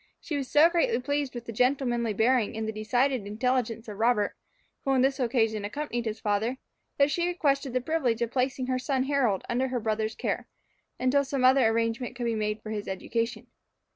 She was so greatly pleased with the gentlemanly bearing and the decided intelligence of Robert, who on this occasion accompanied his father, that she requested the privilege of placing her son Harold under her brother's care, until some other arrangement could be made for his education.